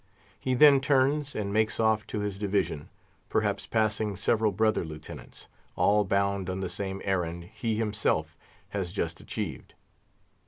He then turns and makes off to his division, perhaps passing several brother Lieutenants, all bound on the same errand he himself has just achieved.